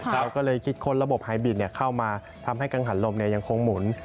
เราก็เลยคิดค้นระบบหายบินเข้ามาทำให้กังหันลมยังคงหมุน